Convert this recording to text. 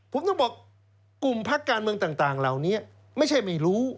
ผมต้องบอกกลุ่มพักการเมืองต่างเหล่านี้ไม่ใช่ไม่รู้